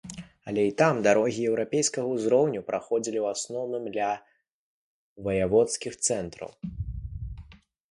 Але і там дарогі еўрапейскага ўзроўню праходзілі ў асноўным ля ваяводскіх цэнтраў.